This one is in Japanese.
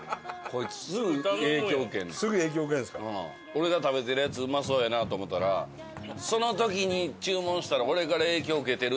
俺が食べてるやつうまそうやなと思ったらその時に注文したら俺から影響受けてるってバレるやん。